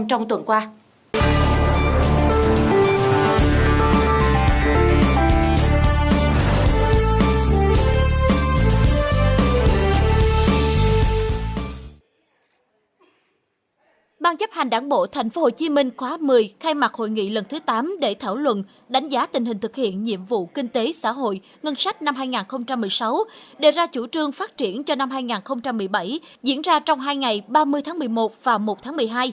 hành đảng bộ tp hcm khóa một mươi khai mặt hội nghị lần thứ tám để thảo luận đánh giá tình hình thực hiện nhiệm vụ kinh tế xã hội ngân sách năm hai nghìn một mươi sáu đề ra chủ trương phát triển cho năm hai nghìn một mươi bảy diễn ra trong hai ngày ba mươi tháng một mươi một và một tháng một mươi hai